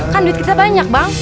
kan duit kita banyak bang